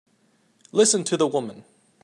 Listen to the woman!